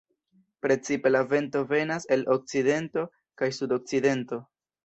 Precipe la vento venas el okcidento kaj sudokcidento.